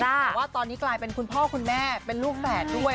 แต่ว่าตอนนี้กลายเป็นคุณพ่อคุณแม่เป็นลูกแฝดด้วย